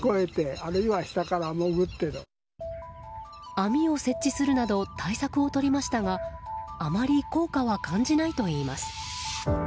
網を設置するなど対策をとりましたがあまり効果は感じないといいます。